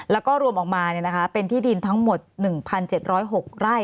แล้วก็รวมออกมาเป็นที่ดินทั้งหมด๑๗๐๖ไร่